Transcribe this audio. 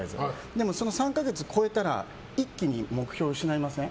でも３か月超えたら一気に目標を失いません？